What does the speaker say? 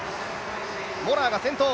モラアが先頭。